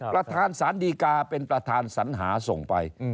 ประธานสารดีกาเป็นประธานสัญหาส่งไป